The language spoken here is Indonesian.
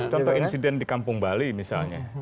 contoh insiden di kampung bali misalnya